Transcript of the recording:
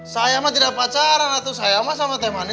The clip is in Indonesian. saya mah tidak pacaran saya mah sama teh manis